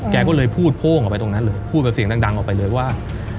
แกก็เลยพูดโป้งออกไปเลยพูดเสียงดังออกไปเลยว่า